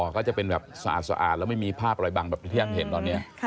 ก็จะเป็นแบบสะอาดแล้วไม่มีภาพอะไรบังแบบที่ท่านเห็นตอนนี้